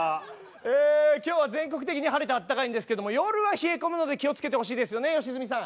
「え今日は全国的に晴れてあったかいんですけれども夜は冷え込むので気をつけてほしいですよね良純さん」。